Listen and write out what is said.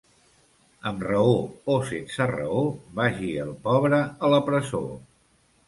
Amb raó o sense raó, vagi el pobre a la presó.